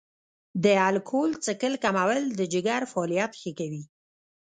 د الکول څښل کمول د جګر فعالیت ښه کوي.